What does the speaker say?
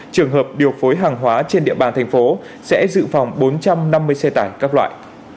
trường hợp điều phối hàng hóa trên địa bàn thành phố sẽ dự phòng bốn trăm năm mươi xe tải các loại